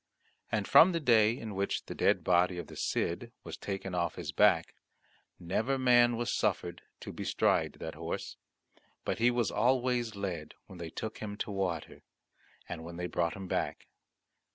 And from the day in which the dead body of the Cid was taken off his back, never man was suffered to bestride that horse, but he was alway led when they took him to water, and when they brought him back.